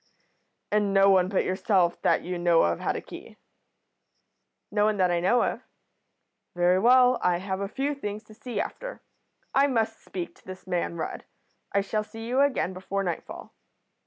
"'And no one but yourself, that you know of, had a key?' "'No one that I know of.' "'Very well. I have a few things to see after. I must speak to this man Rudd. I shall see you again before nightfall.'